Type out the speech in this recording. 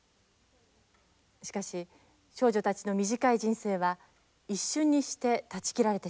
しかし少女たちの短い人生は一瞬にして断ち切られてしまいました。